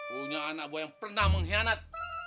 punya anak buah yang pernah mengkhianat